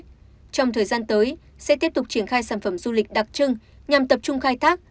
trong thời gian tới sẽ tiếp tục triển khai sản phẩm du lịch đặc trưng nhằm tập trung khai thác